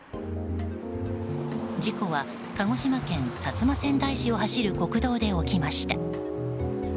事故は鹿児島県薩摩川内市を走る国道で起きました。